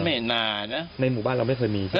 แม่นานะในหมู่บ้านเราไม่เคยมี